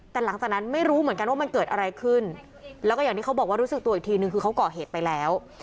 แต่หลังจากนั้นไม่รู้เหมือนกันว่ามันเกิดอะไรขึ้นแล้วก็อย่างที่เขาบอกว่ารู้สึกตัวอีกทีนึงคือเขาก่อเหตุไปแล้ว